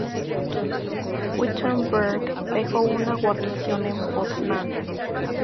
Wittenberg dejó una guarnición en Poznan.